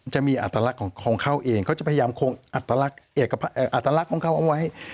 จะมีอัตลักษณ์ของเขาเองเขาจะพยายามคงอัตลักษณ์ของเขาเอาไว้